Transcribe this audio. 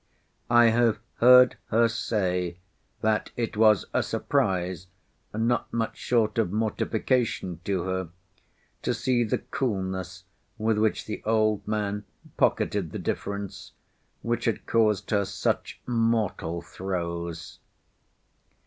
I have heard her say, that it was a surprise, not much short of mortification to her, to see the coolness with which the old man pocketed the difference, which had caused her such mortal throes.